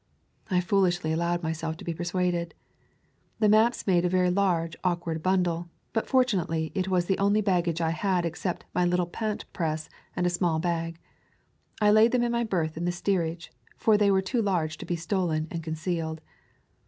I foolishly allowed myself to be persuaded. The maps made a very large, awkward bundle, but for tunately it was the only baggage I had except my little plant press and a small bag. I laid them in my berth in the steerage, for they were too large to be stolen and concealed.